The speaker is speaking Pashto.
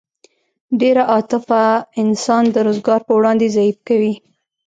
ډېره عاطفه انسان د روزګار په وړاندې ضعیف کوي